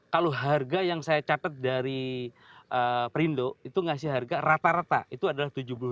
kalau harga yang saya catat dari perindo itu ngasih harga rata rata itu adalah tujuh puluh lima